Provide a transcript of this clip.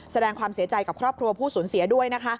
แสดงความเสียใจกับครอบครัวผู้สูญเสียด้วยนะคะ